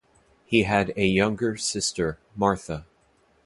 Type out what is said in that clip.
He had a younger sister, Martha.